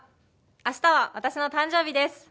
明日は私の誕生日です。